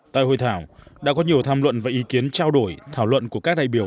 tại hội thảo đã có nhiều tham luận và ý kiến trao đổi thảo luận của các đại biểu